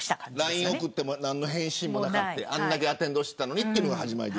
ＬＩＮＥを送っても何の返信もなくてあれだけアテンドしてたのにというのが始まり。